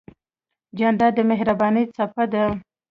جانداد د مهربانۍ څپه ده.